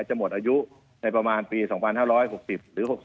จะหมดอายุในประมาณปี๒๕๖๐หรือ๖๔